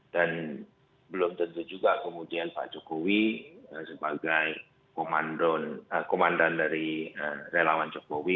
dan belum tentu juga kemudian pak jokowi sebagai komandan dari relawan jokowi